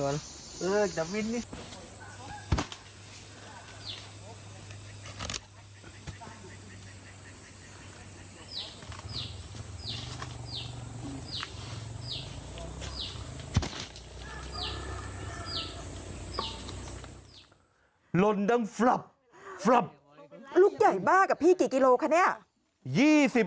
ลุกใหญ่บ้ากับพี่กี่กิโลกรัมค่ะเนี่ย